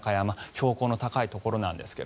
標高の高いところなんですが。